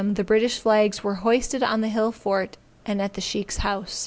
the British flags were hoisted on the hill fort and at the Sheikh's house.